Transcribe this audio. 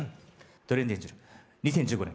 トレンディエンジェル２０１５年